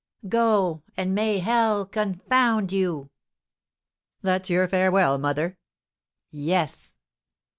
"Go, and may hell confound you!" "That's your farewell, mother?" "Yes."